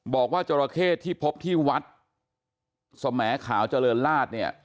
บอกว่าจราเข้ที่พบที่วัดสมแหมขาวเจริญลาด